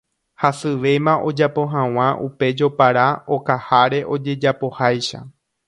hasyvéma ojapo hag̃ua upe jopara okaháre ojajapoháicha